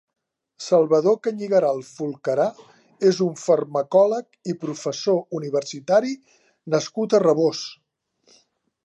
Salvador Cañigueral Folcarà és un farmacòleg i professor universitari nascut a Rabós.